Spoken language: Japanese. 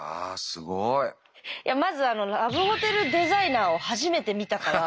いやまずラブホテル・デザイナーを初めて見たから。